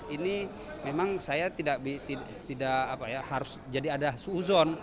ini memang saya tidak harus jadi ada suuzon